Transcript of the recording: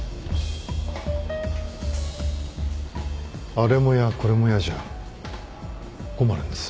あれも嫌これも嫌じゃ困るんです